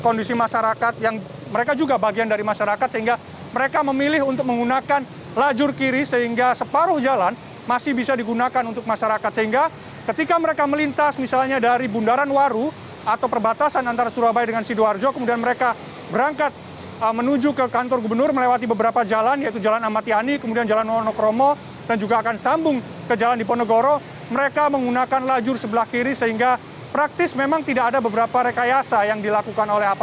kondisi masyarakat yang mereka juga bagian dari masyarakat sehingga mereka memilih untuk menggunakan lajur kiri sehingga separuh jalan masih bisa digunakan untuk masyarakat sehingga ketika mereka melintas misalnya dari bundaran waru atau perbatasan antara surabaya dengan sidoarjo kemudian mereka berangkat menuju ke kantor gubernur melewati beberapa jalan yaitu jalan amatiani kemudian jalan nonokromo dan juga akan sambung ke jalan diponegoro mereka menggunakan lajur sebelah kiri sehingga praktis memang tidak ada beberapa rekayasa yang dilakukan